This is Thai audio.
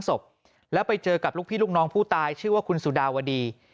ศพแล้วไปเจอกับลูกพี่ลูกน้องผู้ตายชื่อว่าคุณสุดาวดี